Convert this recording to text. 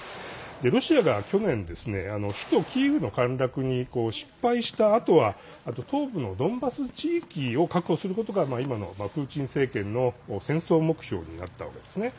ロシアが去年首都キーウの陥落に失敗したあとは東部のドンバス地域を確保することが今のプーチン政権の戦争目標になったわけですね。